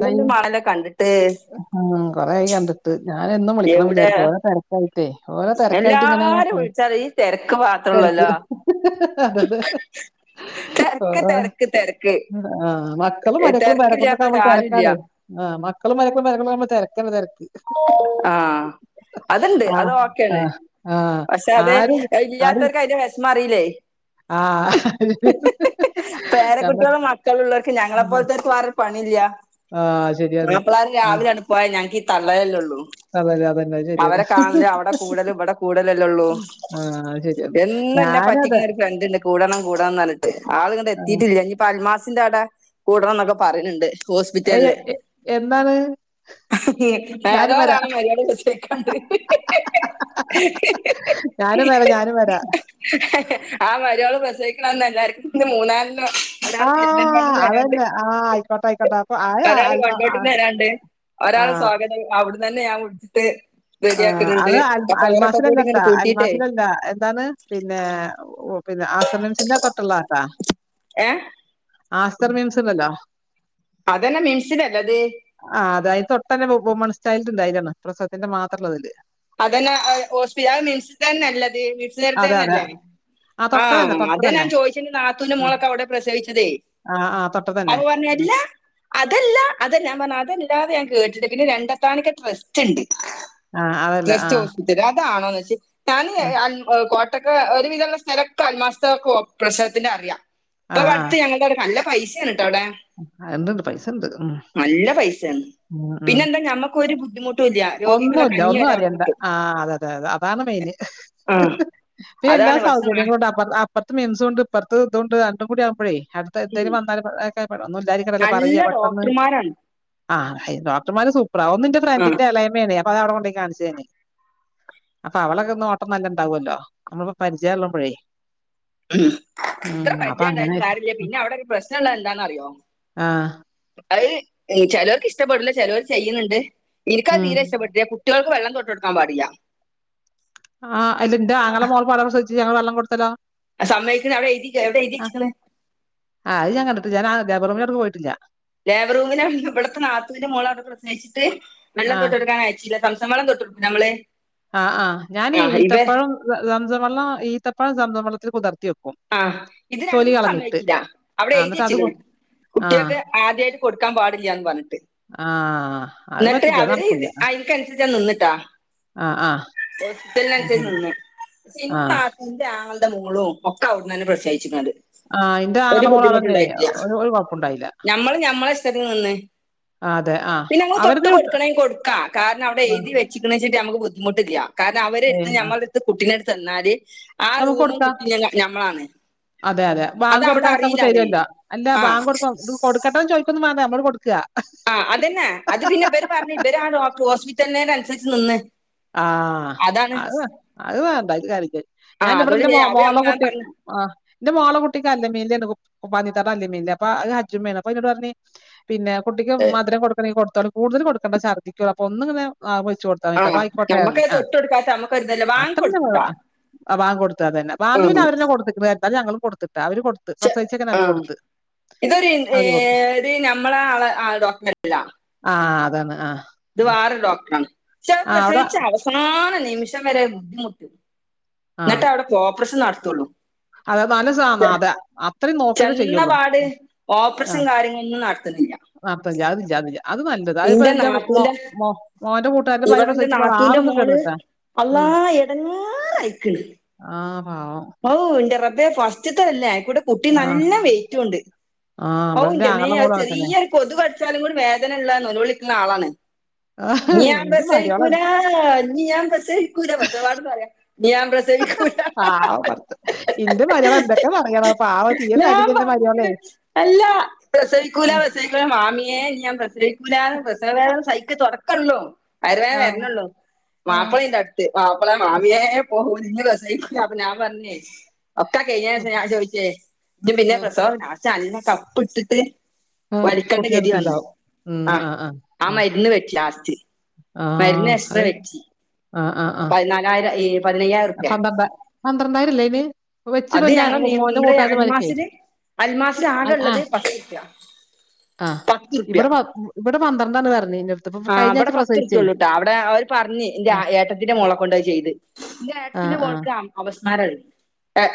എന്തെല്ലാം മാണല്ലോ കണ്ടിട്ട് ഉം കൊറെയായി കണ്ടിട്ട് ഞാൻ ന് എന്നും വിളിക്കണം എവിടെ വിചാരിക്കും ഓരോ തെരക്കായി ത്തെ ഓരോ തെരക്കായിട്ട് ഇങ്ങനെ അങ്ങ് എല്ലാരും പോന്ന് വിളിച്ചാൽ ഈ തിരക്ക് തിരക്ക് മാത്രമുള്ളല്ലോ അതതെ തിരക്ക് തിരക്ക് തിരക്ക് ആആ മക്കളും ഏ, മര്മക്കളും പേരകുട്ടികളോക്കെ ആകുംമ്പോള് തിരക്കില്ലാത്തവരാരുമില്ല തിരക്കറേ മക്കളും മരക്കുംര നമ്മ തിരക്ക തിര ആ അതണ്ട് അത് ആഹ് വാക്കാണ് ആഹ് ആഹ് പക്ഷെ അതെ ആരും ഇ ല്ലാ ആരും ത്തവർക്ക് അതി വിശമാറിയില്ലേ ഹ് ആഹ് ഹ് ഞമ്മ പേരകുുട്ടികളും മക്കളും ഉള്ളവർക്ക്ും ഞങ്ങളെപ്പോലത്തെര പ ഇല്ല ആഹ് ശരിയാന്ന്. മപ്പിള്ളേർ ഉം രാവിലെ ആാണ് പോയാ ഞങ്ങക്ക് ഈ തള്ളയല്ലേ ഉള്ളൂ അതന്നെ അതന്നെ അത് ശരിയാണ്. അവരെ കാണല് അവിടെ കൂടുതലും ഇവിടെ കൂല്ല ആഹ് അത് ശരിയാണ്. ഞാനും പറ്റ ക അതെ [unintelligible] ണം കൂടണംഞ്ഞിട്ട് ആള ഇങ്ങ ആഹ് എത്തിയിട്ടില്ലനിപ്പ അൽമാസിന്റെ അട കൂടണം എന്നൊക്കെ പറയുന്നുണ്ട് ഏ എന്താണ് ഏതോരാണ് മര്യാദ വച്ചേക്കണ്ട് ഞാനും വരാ ഹിഹി ഞാനും വരാ ആ മരയാള് ക്ക നല്ലർ മൂന്നാൽ ആ! ഒരാൾ പെരുുന്നൻമണന്ന് തരാണ്ട് അതന്നെ. ആ ആയിക്കോട്ടെ, ആയിക്കോട്ടെ. അപ്പൊ ആ ഒരാള് അൽമ ആ കൊണ്ടോട്ട്ന്ന് തരാുണ്ട് [inaudible] ആ ഒരാളെ സ്വാഗതം അവിട തന്നെ ഞാൻ വിടിച്ചിട്ട് റെഡിയാക്കുന്നുണ്ട് അപ്പൊ അവരൊക്കെ കൂടി അൽമാസിലല്ലത്താ ഇങ്ങോട്ട് കൂട്ടിയിട്ടേ അൽമാസിലല്ല എന്താണ് പിന്നെ ഓ പിന്നെ ആ സമയം ചിന്തക്കട്ടുള്ള ആാക്കാ ഏഹ ആസ്തർ മീൻസ്ണ്ടല്ലോ അതന്നെ മിംസിലല്ലത് ആ അത അതിന് തൊട്ടനെ ബ മൺ സ്റ്റായി ഉണ്ടായിരുന്നു പ്രസവത്തിന്റെ മാത്രമള്ളതല്ലേ അതെന്നെ അഹ് മിൻ സ്തന്നെല്ലെത് അതെ, അതെ. മിൻസാര്തെന്നെല്ലേ ആ തൊട്ടത് തന്നെ, ആഹ് തൊട്ടത് അതെ ഞാൻ തന്നെ. ചോദിച്ച നാത്തൂന് ഉം. മോളൊക്കെ അവിടെ പ്രസവിച്ചതേ ആ, ആ തൊട്ടത് അവ തന്നെ. പറഞ്ഞല്ല അതല്ല അതല്ല പറഞ്ഞ അതല്ലാതെ കേട്ടിട്ട് പിന്നെ രണ്ടത്താനൊക്കെ ട്രസ്റ്റ് ണ്ട് ആ അതല്ല. ആ, ട്രസ്റ്റ് ഹോസ്പിറ്റലില് അതാണോ ഞാന് ആ, അ അ കോട്ടക്ക ഒരു വിധമുള്ള സ്ഥലക്കെ അൽമസ്തേ പ്രസവത്തിന്റെ അറിയ ആ, ഇപ്പൊ ആ. അടുത്ത് ഞങ്ങളുടെ നല്ല പൈസാണ് ട്ടടെ ഉണ്ടുണ്ട് പൈസ ഉണ്ട്. ഉം. നല്ല പൈസയന്ന് ഉം, ഉം. പിന്നെ എന്താ നമ്മക്ക് ഒരു ബുദ്ധിമുട്ട ഇല്ല രോഗികള കഞ്ഞി വരെ അടൻഡ് ആ് അതതെ അതെ അതാണ് മെൻ ആഹ് പിന്നെ എല്ലാ അതാണ് പക്ഷെ നാ സൗകര്യം [unintelligible] പറത്ത് മെംസും ണ്ട് പറത്ത് ഇത്ണ്ട് രണ്ടും കൂടി ആവുമ്പോഴേ അടുത്ത ഉം എന്തായാലും വന്നാലും എ ഒന്നും ഇല്ലാായിരിക്കണല്ല നല്ല പറയ പെട്ടെന്ന് ഡോക്ടർമാരാണ് ആ ഡോക്ടർമാര് സൂപ്പറാവ ഒന്ന് എൻന്റെ ആ ഫ്രണ്ടിന്റെ എളേമ്മേ ണ് അപ്പ അവിടെ കൊണ്ടോയി കാണിച്ച ന്ന് അപ്പൊ അവളൊക്കെ ഒ ഓട്ടം നല്ലണ്ടാവുമല്ലോ നമ്മളിപ്പോ പരിചയള്ളപഴേ ഉ അത്ര പര്ച അങ്ങനെ ഉണ്ടായിും ആരില്ല പിന്നെ അവിടെ ഒരു പ്രശ്നം ള്ള എന്താന്നറിയോ ആ അത് ചേലോർക് ഇഷ്ടപ്പെടില്ല ചിലർ ചെയ്യണ്ഡ് ഇരിക്കാൽ ഉം തീരെ ഇഷ്ടപ്പെട്ടില്ലേ കുട്ടികൾക്ക് വെള്ളം തൊട്ട് എടുക്കാൻ പാടിയ ആഹ് ഇല്ലൻന്റെറെഞങ്ങളെ മോൾ പാട പ്രസവിച്ഞങ്ങള് വെള്ളം കൊടുത്തല്ലോ ആ സമ്മക്കുന്ന അവിടെ എഴുതിക്ക എവിടെ എഴുതിച്ചണ ഞാ ആാബറമിലോടുക്ക് പോയിട്ടില്ല ലേബർറൂമിെള്ള ഇവിടുത്തെ നാത്തവിന്റെ മോള അവിടെ പ്രസഹിച്ചിട്ട് ആ വെള്ളം തൊട്ട് എടുക്കാൻ അയച്ചിില്ല സംസങ്ങളളം തൊട്ടു നമ്മള് ആഹ് ആഹ് ഞാനീ ആ ഇവ ഈത്തപ്പഴം സംസാവള്ളം ഈത്തപ്പഴം സംസാ വെള്ളത്തിൽ കുതിർത്തു ആഹ് ഇത് രണ്ടും സമയച്ചില്ല അവിടെ ആ എഴുതി എന്നിട്ട് അത് വച്ചിക്കണ് കൊ- ആ കുട്ടികൾക്ക് ആദ്യമായിട്ട് കൊടുക്കാൻ പാടില്ലന്ന് പറഞ്ഞിട്ട് ആഹ് അത് എന്നിട്ടേ പറ്റില്ല അത് അവര് നടക്കൂല ഐനിക്കൻ സരിച്ച് ഞാൻ നിന്നിട്ടാ ആഹ് ആഹ് സ്റ്റാൽ അത് നാൻസർച്ച് ശരി നിന്ന് പക്ഷെ എന്റെ ആഹ് നാത്തൂൻ എന്റെ ആങ്ങളുടെ മോളോ ഒക്കെ അവിടുന്ന്ന്നെ പ്രസവിച്ചക്കണത് ആഹ് ഇന്റെ ആങ്ങള ഒരു മോള് അവടെന്നേനി ബുദ്ധിമുട്ടുണ്ടായിട്ടില്ല ഒരു ഒരു കൊഴപ്പുണ്ടായില്ല ഞമ്മള് ഞമ്മളെഇഷ്ടത്തിനി ന്ന് ആഹ് അതെ ആഹ് പിന്നെ ന അവര്ത് തൊട്ട് കിട്ടു കൊടുക്കണമെങ്ക കൊടുക്ക കാരണം അവിടെ ആഹ് എഴുതി വെച്ചക്കണ വെച്ചിട്ട് ബു മുട്ട്ല്ല്യ കാരണം അവരെട്ത്ത് ഏഹ് ആഹ് ഞമ്മളെട്ത്ത് കുട്ടിനട് തന്നാല് ആ ഞമ്മക്ക് റൂമും കൊടുക്കാ കു. ഇ ഞങ്ങ ഞമ്മളാണ്. അതെ അതെ അത് ബാങ്ക് അവിടെ കൊടുക്കാനൊക്കെ നമുക്ക് അറിയില്ല അവര് തരല്ലൊ അല്ല ആ ബാങ്ക് കൊടുക്കൊ കൊടക്കട്ടെ ന്ന് ചോയ്ക്കൊന്നും വേണ്ട നമ്മള് കൊടുക്ക. ആഹ് അതെന്നെ അത് പിന്നെ ഇവര് പറഞ്ഞ് ഇവര് ആ ഡോക്ട ഹോസ്പിറ്റലിനേനുസര്ച്ച് നിന്ന്. ആഹ അതാണ് അത് വേ അത് വേണ്ട അയ്ല് കാര്യല്ല്യ ആ ഞാന്റെ വ്ടെ അതോട് ന്റെ മോ ചെയ്യാം. അവര് മോളെ നമ്മള കുട്ടി. പറഞ്ഞു ആഹ് ന്റെ മോളെ കുട്ടിക്ക് അൽ അമീന് ലെയ്നു കു. മുപ്പാന്തിത്താട്ടെ അൽ അമീനിൽ അപ്പ അത് ഹജ്ജുമ്മേണ്. അപ്പ ന്നോട് പറഞ്ഞ് പിന്നെ കുട്ടിക്ക് മധുരം കൊട്ക്കണെ കൊട്. ത്തോളി കുടുതൽ കൊടുക്കണ്ട ഛർദിക്കും ഓള് അപ്പൊ ന്ന് ങ്ങനെ നാവ് ന്മെ വെച്ച് കൊട്ത്താ ആ തിട്ടോ. കോട്ടെ റഞ്ഞ് നമ്മക്കത് ആ തൊട്ട് കൊടുക്കാത്ത നമ്മക്കൊരിതല്ല വാങ്ങി അത്രെന്നെ കൊടുത്തിട്ടാ അ. ആ ബാങ്കൊട്ത്ത തന്നെ ബാങ്ക് പിന്നെ ആഹ് അവര് ന്നെ കൊട്ത്ത്ക്ക്ണ് ന്നാലും ഞങ്ങളും കൊട്ത്ത അവര് കൊട്ത്ത് ചെ പ്രസവിച്ചേക്കന്നെ അവര് ആഹ് കൊടുത്ത് ഇതൊരു ഇൻ അവര് കൊടുത്ത് ഏഹ് ഒര് ഞമ്മളെ ആഹ് ആളെ ആളെ ഡോക്ടല്ല ആ അതാണ് ആഹ് ത് വേറോരു ഡോക്ടറാണ് ക്ഷെ അത് അവിടെ പ്രസവിച്ച അവസാന നിമിഷം വരെ നിന്നൊട്ത്ത് ന്ന്ട്ടെ അവ്ടെ ഓപ്പ്റേഷൻ നടത്തുള്ളൂ അത പല സാമാധാ അത്ര ഓല് നോക്കീട്ട് ചെയ്യുള്ളൂ ചെന്നപാട് ഓപ്പറേഷൻ ആഹ് കാര്യങ്ങളൊന്നും നടത്തുന്നില്ല ആഹ് പല്ല്യ അതൊന്നുല്യ അതൊന്നുല്ല്യ അത് നല്ലത അത്പ്പോ ഇന്റെ ന്റെ മോ നാത്തൂന്റെ മോ മോന്റെ കൂട്ടുകാരന്റെ ഭാര്യ ഇവിടെ എന്റെ പ്രസവിച്ചപ്പോൾ നാത്തൂന്റെ ആറീസം മോള് കെടന്ന്ക്കാ അള്ളാ എട്ങ്ങേറായിക്ക്ണ് ആ പാവം ഔ ന്റെ റബ്ബേ ഫസ്റ്റ്ത്തതല്ലെ അയ്ക്കൂടെ കുട്ടി ആ നല്ല വെയിറ്റുണ്ട്. ആ ഔ ഇവിടെ ഇന്റെമ്മേ ഞങ്ങളുടെ അത് മോളും അങ്ങനെ തന്നെ ചെറിയൊരു കൊതു കടിച്ചാലും കൂടി വേദന ഉള്ള നൊലോളി ട്ക്ക്ണ ആളാണ്. ഞ് ഞാൻ എന്റെ മരുമോളെ പ്രസവിക്കുലാ ഞ് ഞാൻ പ്രസവിക്കൂലാ പ്രസവടന്ന് പറയാ ഞ് ഞാൻ പ്രസവിക്കൂലാ. പാവപ്പത് ഇന്റെ മരൊളെ ന്തൊക്കെ പറയണം പാവം അ തീരെ ഞാൻ തടില്ല്യെ ന്റെ മരോളെ. പറഞ്ഞിട്ട് അല്ല പ്രസവിക്കൂല പ്രസവിക്കൂല മാമ്യേ. ഞാൻ പ്രസവിക്കൂലാ പ്രസവ വേദന സഹിക്ക തുടക്കള്ളു. വയർവേന ആഹ് വര്ന്നുള്ളൂ ആഹ് മാപ്പ്ളെണ്ടട്ത്ത് മാപ്പ്ള മാമിയേ പോക ഇന് പ്രസവിക്കൂല. ഞാൻ പറഞ്ഞേ ഒക്കെ കഴിഞ്ഞേ ഉം നേശം ഞാൻ ചോയ്ച്ചേ ഇജ് പിന്നെ ഉം പ്രസവം ലാസ്റ്റ് അന്നെ. കപ്പ് ട്ട് ട്ട് ആഹ് വലിക്കണ്ട ഗതി കുട്ടിന്റെടുത്ത് വന്നേ ഇതാവും. ഉം ആഹ് ആ മരുന്ന് വെച്ച് ലാസ്റ്റ്. ആഹ് മര്ന്ന് ആഹ് എക്‌സ്ട്ര അത് വെച്ച് ആഹ് ആഹ് ആഹ് പതിനാലായിരം ഏ. പതിനയ്യായിരം ർപ്യ. പന്ത്രണ്ടായിരല്ലെ അയ്ന് വെച്ച് കൊണ്ടരാൻ മോന്റെ കൂട്ടാതെ പതിനഞ്ചായി അൽമാസിലാകെള്ളത് പത്തുർപ്യ. ആഹ് ഇവിടെ പ ഇവിടെ പന്ത്രണ്ടാണ് പറ്ഞ്ഞീന്യത്. ആ് വ്ടെ പത്ത്ർപ്യള്ളൂട്ടാ അവിടെ അവര് പറഞ്ഞ് ന്റെ അ ആഹ് ഏട്ടത്തിന്റെ മോള കൊണ്ട അത് ചെയ്തെ ആഹ് ഇന്റെ ആഹ് മോൾക്ക് അ അപസ്മാരിയി എ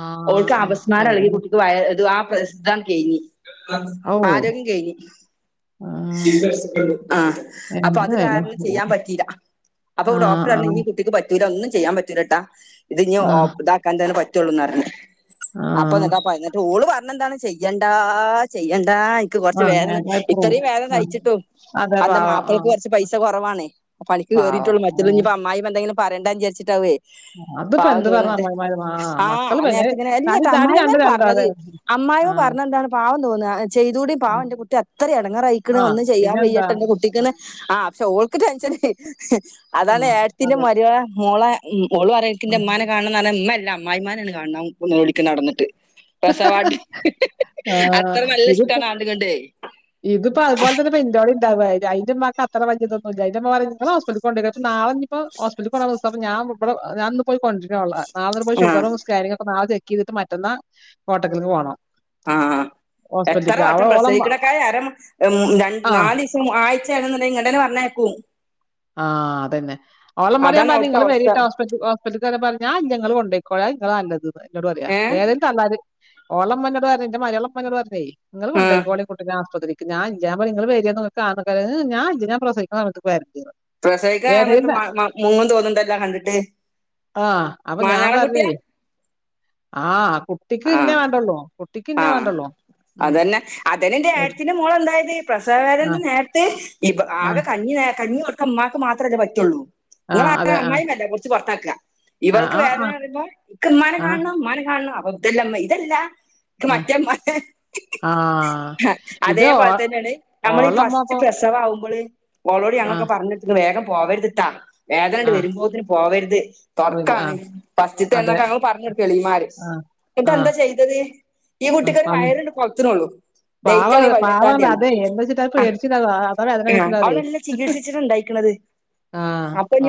ആഹ് ഓൾക്ക് ആഹ് അപസ്മാരം എളകി വേദന കുട്ടിക്ക് വയറ് ആ പ്രശ്നം കഴ്ഞ്ഞ് ഔ ആരോഗ്യം കഴ്ഞ്ഞ് ആഹ് ആ അപ്പൊ അത് എന്തായാലും കാരണം ചെയ്യാൻ പറ്റീല അപ്പൊ ആഹ് ഡോക്ടർ പറഞ്ഞ് ആഹ് ഇനി കുട്ടിക്ക് പറ്റൂല ഒന്നും ചെയ്യാൻ പറ്റൂലട്ടാ ഇത് ഇഞ്ഞ് ഓ ആഹ് ഇതാക്കാൻ തന്നെ പറ്റുള്ളൂ ന്ന് പറ്ഞ്ഞ്. അപ്പൊ ആഹ് ന്ന്ട്ടാ കുഴഞ്ഞിട്ട് ഓള് പറഞ്ഞെ ന്താണ് ചെയ്യണ്ടാ ചെയ്യ ണ്ടഇന്ക്ക് കൊറച്ച് വേദന ആഹ് എത്ര ഇത്രേം വേദന ആ സഹിച്ചിട്ടും അതെ അത്‌ന്താ പാവം ആ മാപ്പൾക്ക് കുറച്ച് പൈസ കുറവാണ് പണിക്ക് പാവം കയറിട്ടുള്ളൂ മറ്റത് ഞ്ഞ് ഉം പ്പൊ അമ്മായിമ്മ എന്തെങ്കിലും പറ്യണ്ടാ വിചാര്ച്ച്ട്ടാവേ അതിപ്പോ പാവം എന്ത് പറഞ്ഞ തോന്ന്ണ്ട് അമ്മായിമാര് ആ ആഹ് മക്കള് ആ പിന്നെ നേരത്ത്ങ്ങനെ ഇല്യ തടി ത തടി രണ്ട് അമ്മായിമ്മനെ രണ്ടോ പറഞ്ഞത് അതെ അമ് അമമായോ ആ പറഞ്ഞ എന്താണ് പാവം അമ്മായിമ്മ പറഞ്ഞെന്താണ് പാവം തോന്ന ചെയ്തൂടി ആ പാവം ന്റെ കുട്ടി അത്രേം എടങ്ങാറയിക്ക്ണ് ആ ഒന്നും ചെയ്യാൻ വയ്യ പിന്നെന്താ ട്ടൊ ന്റെ ആ കുട്ടിക്ക്ന്ന് ആ ക്ഷെ ഓൾക്ക് ടെൻഷനെ ആ അതാണ് ഏട്ടത്തിന്റെ അതെ മരോളെ മോളെ ഉം ഓള് പറ്യ ഉം ഇൻക്കിന്റെമ്മാനെ കാണണം ന്നറഞ്ഞ് മ്മല്ല അമ്മായിമ്മനെണ് കാണണം ഓള് നൊലോളിക്ക ടന്നിട്ട്. പ്രസവ ഡ് ആഹ് ഇത്പ്പോ ഇത്പ്പോ അത്പോലെ തന്നെ ഇന്റോടി ണ്ടാവായത് ഐന്റമ്മാക്ക് അത്ര വല്ല്യേതൊന്നൂല്ല ആയിൻ്റെപറിമ്മ് ഇങ്ങൾ ഹോസ്പിറ്റൽക്ക് കൊണ്ടൊയിക്കൊളി നാളെ ഇഞ്ഞ്പ്പംഹോസ്പിറ്റൽക്ക് കൊണ്ടോണ ദിസ ഞാൻ ഇബടെ ഞാന്ന് പോയി കൊണ്ടരൊളെ നാളെന്ന്ട്ട് പോയി ആഹ് ഷുഗറും സ്കാനിങ്ങൊക്കെ നാളെ ചെക്കീത്ട്ട് മറ്റന്നാ കോട്ടക്കൽക്ക് പോണം ആഹ് എത്ര വെട്ടം അവൾ ഓളെ പ്രസവിക്കണക്കായിം അര മ രണ്ട് ആ നാലീസം ആയി ഇങ്ങട്ടന്നെ പർഞ്ഞയ്ക്കും ആഹ് അതന്നെ ഓളമ്മാനോട് ഞാം അതാണ് പർഞ്ഞി അവിടുത്തെ ങ്ങള് അവസ്ഥ വെരീട്ടോ ഹോസ്പിറ്റല്ക്ക്‌ ഞാല്ല ങ്ങള് കൊണ്ടോയിക്കോളി അഹ് ങ്ങളാ നല്ലത് എന്നോട്ട് പറയാ ഏഹ് ഏതും തള്ളാര് ഒളമ്മനൊട് പറെഞ്ഞ മര്യെളമ്മ പറഞ്ഞേ ങ്ങള് ആഹ് കൊണ്ടോയിക്കോളി കുട്ടിനെ ആസ്പത്രിക്ക് ഞാൻ ഇല്ല ഞാൻ പറ ഇങ്ങൾ വരൊന്നു നിങ്ങള്ക്ക് കാണ ഹേ ഞാൻഇല്ല പ്രസിക്കണ സമയത്ത് വരണ്ട് പ്രസവിക്കണ സമയത്തും മുങ്ങും തോന്ന്ണ്ണ്ടല്ലോ കണ്ട്ട്ട് ആഹ് അപ്പ ഞാം പർഞ്ഞേയ് ആ കുട്ട് കുട്ടിക്ക് ആ ഇന്നെ വേണ്ടുള്ളൂ കുട്ടിക്ക് ആ ഇന്നെ വേണ്ടുള്ളൂ മ് അതന്നെ അതന്നെ എന്റെ ഏടത്തിന്റെ മോളെന്തായത് പ്രസവ വേദനന്റെ നേരത്ത് ആകെ ആഹ് കഞ്ഞി കഞ്ഞി കൊട്ക്കാൻ മ്മാക്ക് മാത്രല്ലേ പറ്റൊള്ളൂ ആഹ് ങ്ങളാച്ച അതെ ആഹ് അമ്മായിനല്ലെ പുടിച്ച് പൊർത്താക്കാ ആഹ് ഇവൾക്ക് ആഹ് വേദന ആഹ് പറയുമ്പോ ഇക്ക്‌ മ്മാനെ ആഹ് കാണണം മ്മാനെ കാണണം അപ്പതല്ലേമ്മാ ഇതല്ലാ ക്ക്‌ മറ്റേ മ്മാനെ ആഹ് ആഹ് ഹ ഇത് ഓ അതേപോലെ തന്നേണ് നമ്മളീ ഓളമ്മ ഫസ്റ്റ് ഇപ്പൊ പ്രസവാവുമ്പള് ഓളോട് ഞങ്ങളൊക്കെ ആഹ് പർഞൊട്ത്ത്ക്ക്‌ണ് വേഗം പോവര്ത്ട്ടാ വേദനണ്ട് ആഹ് വരുമ്പോത്തിന് പോവര്ത് ഒര് തൊട്ക്കാണ്. ആഹ് അതെ ഫാസ്റ്റ്തേണ് ന്നൊക്കെ ഞങ്ങള് പർഞൊട്ത്തു മ്മാര് ആ. ആ. ന്ന്ട്ടെന്താ ചെയ്തത് ഈ ആ. കുട്ടിക്കൊര് അന്ന് വയറ്ണ്ട് കൊൾത്ത്ണൊള്ളു പാവ ഡേറ്റ് ആണെങ്കി പാവാണ്. പതിനെട്ടാത്യാണ് അതെ എന്താച്ചിട്ടാ അ പേടിച്ചിണ്ടാവ. അതാ വേദന വിചാരിച്ചിണ്ടാവതേ. അവളെല്ലാം ചികിത്സിച്ച്ട്ടാണ്ടായ്ക്ക്‌ണത് ആ.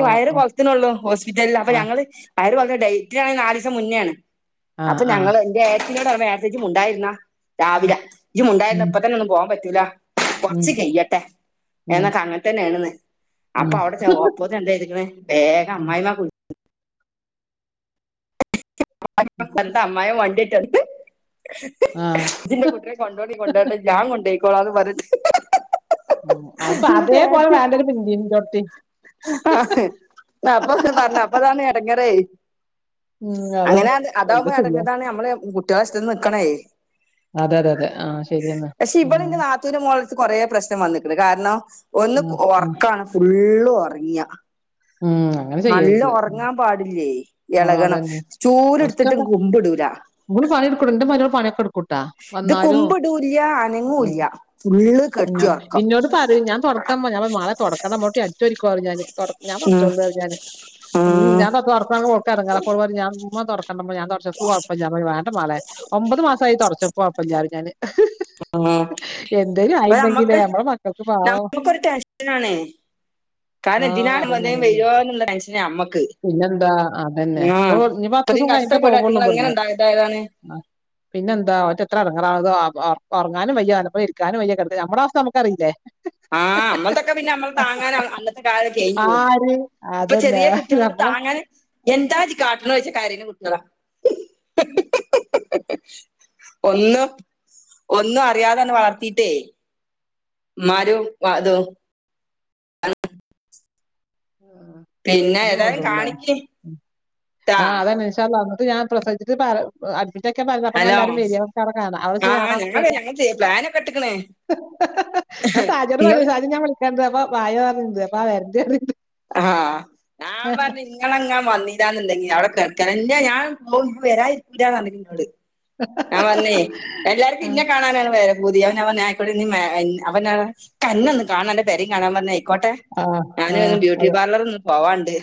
ഓ. വയറ് ഓ. കൊൾത്ത്നൊള്ളു ഹോസ്പിറ്റലില് അപ്പ ആ. ഞങ്ങള് അവര് പറഞ്ഞ ഡേറ്റ്നാണെങ്കി നാലീസം മുന്നേണ് ആ. അപ്പ ആ. ഞങ്ങള് ന്റെ ഏട്ത്തിനോട് പർഞ്ഞു ഏട്ത്യേ ജ്ജ്‌ മുണ്ടാതിര്ന്നാ ഉം. രാവിലെ ജ്ജ്‌ മുണ്ടാതിര്ന്നാ ഉം. പ്പതെന്നൊന്നും പോവാം പറ്റൂല ഉം. കൊറച്ച് കയ്യട്ടേ ഉം. എന്നൊക്കെ അങ്ങൻതന്നേണ്ന് അപ്പ ഉം. അവടെ ചെന്നപ്പോ ഒപ്പോത്തിന് എന്താ ചെയ്ത്ക്ക്‌ണെ വേഗം ഉം. അമ്മായിമാക്ക്‌ വ്ളി ഉം. [unintelligible] അമ്മായ്മ വണ്ടിയേറ്റ് വന്ന്ക്ക്‌ണ് ആ. ജ്ജ്‌ന്റെ കുട്ടിനെ കൊണ്ടോണില്ലങ്കി കൊണ്ടോണ്ട ഞാ കൊണ്ടോയ്ക്കോളാന്ന് പർഞ്ഞ്ട്ട് അപ്പൊ അതേപോലെ വേണ്ടൊരു [unintelligible] ആ [unintelligible] പർഞ്ഞു അപ്പതാണ് എടങ്ങറേയ് ഉം. അങ്ങനെ അതന്നെ. എന്താ അതാകുമ്പോ എടങ്ങേ ചെയ്യാ? താണ് നമ്മള് കുട്ട്യാളെ ഇഷ്ട്ടത്തിന് നിക്കണെയ് അതെ അതെ അതെ. ആ ശരിയെന്നാ. പക്ഷെ ഇവള് ഉം. ന്റെ നാത്തൂന് മോളെട്ത്ത് കൊറേ പ്രശ്നം വന്ന് ട്ട് കാരണം ഒന്ന് ഉം. ഉം. ഒർക്കാണ് ഫുള്ള് ഒർങ്ങാ ഉം. അങ്ങനെ നല്ല ചെയ്യരുത്. ഒർങ്ങാൻ പാടില്ലേയ് എളകണം കൊർച്ചൊക്കെ ഓള് പണിട്ക്കും ന്റെ മരോള് പണി ഒക്കെട് ക്കുട്ടാ ഇത് വന്നാലും കുമ്പിടൂല്ല മ് അനങ്ങൂല്ല ഫുള്ള് ന്നോ കെടുത്തി ഉറക്കം ന്നോട് പറയും ഞാൻ തൊടക്കമ്മാ മാളെ തൊടക്കണ്ടാ മ്മട്ടി അടിച്ചോരിക്കൊ പറയും ഞാന് തൊടക് ഞാന് ഉം തൊട്ച്ചോണ്ട് പറയും ഞാന് ഉം ഞാൻ തൊട്ക്ക്ണെ കാണുമ്പോ ഓൾക്ക് എടങ്ങേറാ അപ്പോള് പറീം ഞാ മ്മതൊട്ക്ക്‌ തൊടക്കണ്ടമ്മ ഞാതൊടച്ചോള ഇൻക്ക് കൊഴപ്പല്ല വാണ്ട മാളേ ഒമ്പത് മാസായി തുടച്ചപ്പ കൊയപ്പല്ല റീം ഞാന് ആ എന്തേലും അപ്പ ആയിണ്ടെങ്കിലേ ഞമ്മക്ക് നമ്മളെ മക്കൾക്ക് പാവം ഞമ്മക്കൊരു ടെൻഷനാണ് ആ കാരണം തിനാലെ അതന്നെ വല്ലതും അതന്നെ വരോന്ന്ള്ള ടെൻഷനാ ഞമ്മ പിന്നെന്താ അതെന്നെ പ്പോ ഞ്ഞി ഇത്രയും പത്തൂസം കൈഞ്ഞ്ട്ടേ കഷ്ടപ്പെട്ട് പോവ്ള്ളു അറ്റിങ്ങൾ എങ്ങനെ വ്ട്ന്ന് ഉണ്ടായതായതാണ് ആഹ് പിന്നെന്താ ഓറ്റെത്ര എടങ്ങേറാവാണം [unintelligible] ഒർങ്ങാനും വെയ്യാ ഓലോപ്പം ഇര്ക്കാനും വെയ്യാ കെട് ഞമ്മളെ അവസ്ഥ ഞമ്മക്കറീലെ ആ ഞമ്മൾതൊക്കെ പിന്നെ ഞമ്മളെ താങ്ങാൻ അന്നത്തെ കാലം കെയ്ഞ്ഞ് പോയി ആര് പ്പ അതന്നെ ചെറിയ കുട്ടി നമ്മളെ താങ്ങാൻ എന്താച്ച് കാട്ട്ണു ചോയ്ച്ചാ കരീണ കുട്ട്യാളാ ഒന്നും ഒന്നും അറിയാതണ്ട് വളർത്തീട്ടെ മ്മാരും വ തും ആ പിന്നെ റെയ്ഞ്ച പോണ്ണ്ട് ഏതായാലും തോന്ന്ണ് ലെ മ് കാണിക്ക് ട്ടാ അതെന്നെ ഇന്ഷാ അള്ളാ ഞാൻ പ്രസവിച്ചിട്ട് ഹലോ [unintelligible] ഇതൊക്കെ ആ ഞങ്ങള് ഞങ്ങൾ പ്ലാനൊക്കെ ഇട്ടിക്കണ് [unintelligible] ആ സാജോട് പറഞ്ഞ നിങ്ങള് സാജ ഞാൻ വിളിക്കാണ്ട് അപ്പൊ വായോ പറയ്ണ്ട് അപ്പ വെര്ണ്ട് ആ ഞാ പറഞ്ഞു ഇങ്ങളെങ്ങൻ വന്നില്ല ണ്ടെങ്കി അവടെ കെട് [unintelligible] ആ പറഞ്ഞെ എല്ലാർക്കും ആഹ്. ന്നെ കാണാനാണ് വേറെ പൂതി അപ്പം ഞാൻ പറഞ് ആയ്ക്കോടെ [unintelligible] ൻക്കന്നൊന്ന് കാണണം അന്റെ പെരേം കാണാൻ പറഞ്ഞ ആയിക്കോട്ടെ ആഹ് ഞാനും ഒന്ന് ആഹ് ബ്യൂട്ടി അതെ. പാർലർലൊന്ന് പോവാണ്ട്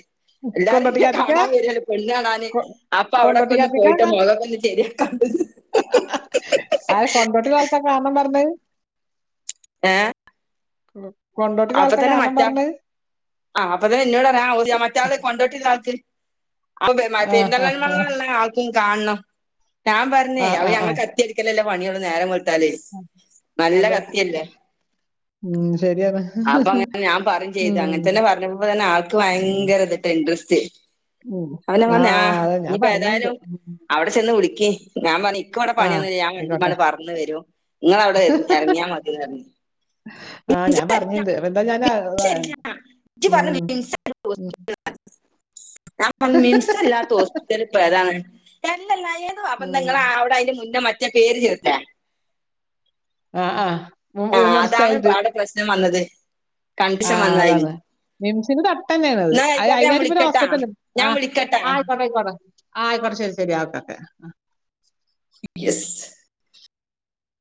എല്ലാരും ന്നെ കൊണ്ടോട്ടിക്കാത്ത്ക്കാ? കാണാൻ വെരാണ് പെണ്ണ് കാണാന് കൊ അപ്പ അവിടൊക്കെ ഒന്ന് കൊണ്ടോട്ടിക്കാത്ത്ക്കാ? പോയിട്ട് മൊഖോക്കൊന്ന് ശരിയാക്കാണ്ട് അത് കൊണ്ടോട്ടി ആൾക്കാ കാണണം പറഞ്ഞത് ഏ ഉം അപ്പ തന്നെ മറ്റാൾ ആ അപ്പൊ തന്നെ ന്നോട് പറ ഓ മറ്റാൾ കൊണ്ടോട്ടി [unintelligible] ആഹ് പെരുന്തൽ ആഹ് ആഹ്. മണ്ണ ആൾക്കും കാണണം ഞാൻ പറഞ്ഞേ ആഹ് അവ ആഹ് ഞങ്ങൾ ആഹ്. കത്തിയടിക്കലല്ലേ പണിയൊള്ളൂ നേരം ത്താല് നല്ല അതെ. കത്തിയല്ലേ ഉം ശരിയാണ്. അപ്പൊ അങ്ങനെ ഞാൻ പറയും ചെയ്തു ഉം. അങ്ങനെ തന്നെ പറഞ്ഞ്പ തന്നെ ആൾക്ക് ഭയങ്കര ഇൻഡ്രസ്റ്റ് ഉം. അപ്പൊ ഞാൻ പറഞ് ആ ആഹ് അതെ ഞാൻ ഇനിപ്പോ പറഞ്ഞീണ്ട്. ഏതായാലും ഉം. അവിടെ ചെന്ന് വിളിക്ക് ഞാൻ പറ ൻക്ക് വടെ ആഹ് പണിയൊന്നുല്ല ഞാൻ വണ്ടിമ്മ ആയിക്കോട്ടെ. ണ്ട് പറന്ന് വരും ങ്ങള് അവടെ എറങ്ങിയ മതി പറഞ് ആ ഞാൻ പറഞ്ഞിണ്ട് അപ്പ എന്താ ഞാൻ ഇജ്ജ് ഉം പറഞ്ഞു മിംസ് ഉം ഞാൻ പറഞ്ഞു മിമ്സല്ലാത്ത ഹോസ്പിറ്റല് പ്പൊ ഏതാണ് ല്ല ഏത അപ്പം ഉം നിങ്ങള അവിടെ അതിന് മുന്നേ മറ്റേ പേര് ചെർത്തെ ആ ആ വുമൻസ് ചൈൽഡ് [unintelligible] വന്നായിരുന്നു മിംസിന്റെ തൊട്ടെന്നെണത് അത് അയ്നായ്ട്ട്പ്പൊ വിളിക്കട്ടാ ഹോസ്പിറ്റല് ഞാൻ ആ വിളിക്കട്ടാ അയ്ക്കോട്ടെ അയ്ക്കോട്ടെ അയ്ക്കോട്ട ശെരി ശെരി അയ്ക്കോട്ടെ യെ സ്